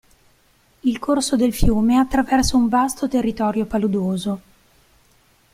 Il corso del fiume attraversa un vasto territorio paludoso.